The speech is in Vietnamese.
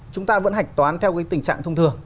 chúng ta vẫn hạch toán theo cái tình trạng thông thường